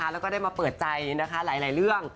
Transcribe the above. แล้วก็ได้มาเปิดใจหลายเรื่อง